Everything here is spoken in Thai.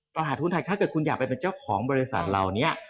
ตลาดหุ้นไทยถ้าเกิดคุณอยากไปเป็นเจ้าของบริษัทเหล่านี้